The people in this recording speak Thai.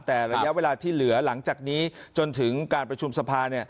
แต่ระยะเวลาที่เหลือหลังจากนี้จนถึงการประชุมสภา